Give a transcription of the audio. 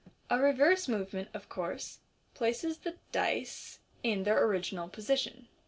A leverse movement, of course, replaces the dice in their original position.